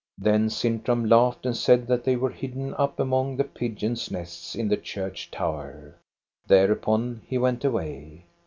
Then Sintram laughed and said that they were hidden up among the pigeons' nests in the church tower. Thereupon he went away.